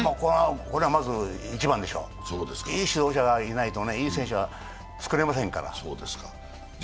これはまず一番でしょう、いい指導者がいないといい選手は作れませんから。